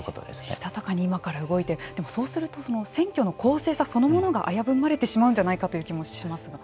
したたかに今から動いてそうすると選挙の公平さそのものが危ぶまれてしまうんじゃないかという気もしますが。